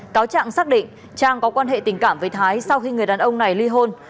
cáo trạng xác định trang có quan hệ tình cảm với thái sau khi người đàn ông này ly hôn